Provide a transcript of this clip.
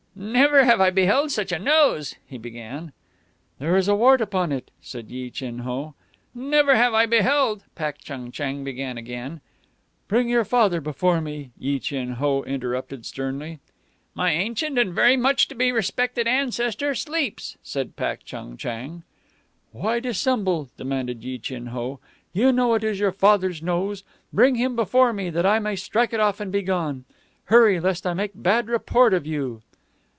"Never have I beheld such a nose," he began. "There is a wart upon it," said Yi Chin Ho. "Never have I beheld " Pak Chung Chang began again. "Bring your father before me," Yi Chin Ho interrupted sternly. "My ancient and very much to be respected ancestor sleeps," said Pak Chung Chang. "Why dissemble?" demanded Yi Chin Ho. "You know it is your father's nose. Bring him before me that I may strike it off and be gone. Hurry, lest I make bad report of you."